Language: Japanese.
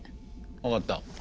分かった。